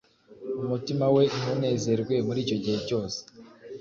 umutima we ntunezerwe muri icyo gihe cyose